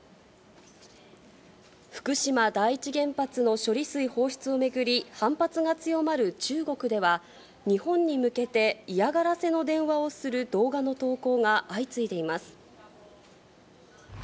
福島第一原発の処理水放出を巡り、反発が強まる中国では、日本に向けて嫌がらせの電話をする動画の投稿が相次いでいます。